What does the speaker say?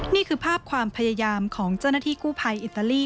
นี่คือภาพความพยายามของเจ้าหน้าที่กู้ภัยอิตาลี